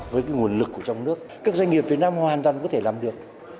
với cái nguồn lực của trong nước các doanh nghiệp việt nam hoàn toàn có thể làm được